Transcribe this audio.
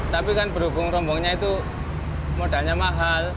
tapi kan berhubung rombongnya itu modalnya mahal